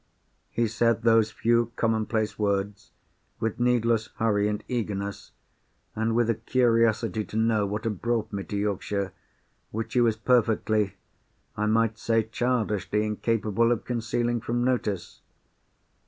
He said those few commonplace words with needless hurry and eagerness, and with a curiosity to know what had brought me to Yorkshire, which he was perfectly—I might say childishly—incapable of concealing from notice.